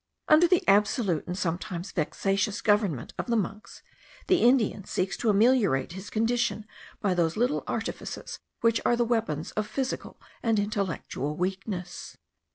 Under the absolute and sometimes vexatious government of the monks, the Indian seeks to ameliorate his condition by those little artifices which are the weapons of physical and intellectual weakness.